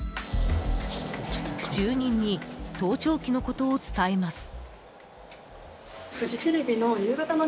住人に盗聴器のことを伝えます。